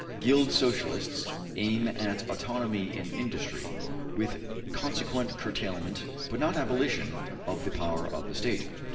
Guild Socialists aim at autonomy in industry, with consequent curtailment, but not abolition, of the power of the State.